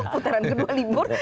putaran kedua libur